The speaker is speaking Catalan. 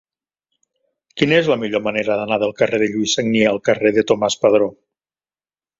Quina és la millor manera d'anar del carrer de Lluís Sagnier al carrer de Tomàs Padró?